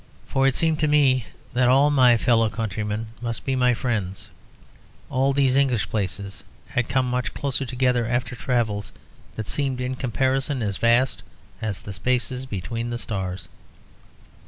For it seemed to me that all my fellow countrymen must be my friends; all these English places had come much closer together after travels that seemed in comparison as vast as the spaces between the stars.